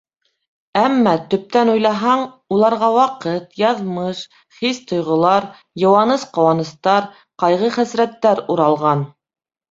Әммә, төптән уйлаһаң, уларға ваҡыт, яҙмыш, хис-тойғолар, йыуаныс- ҡыуаныстар, ҡайғы-хәсрәттәр уралған.